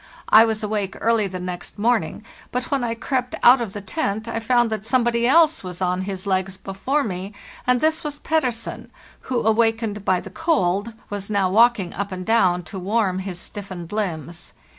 I was awake early the next morning; but when I crept out of the tent I found that somebody else was on his legs before me, and this was Pettersen, who, awakened by the cold, was now walking up and down to warm his stiffened limbs.